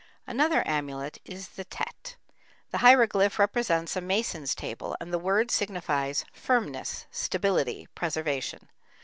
Another amulet is the tet. The hieroglyph represents a mason's table and the word signifies "firmness, stability, preservation."